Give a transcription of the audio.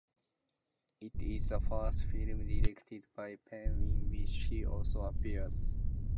It is the first film directed by Penn in which he also appears.